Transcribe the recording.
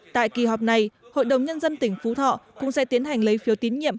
tại kỳ họp này hội đồng nhân dân tỉnh phú thọ cũng sẽ tiến hành lấy phiếu tín nhiệm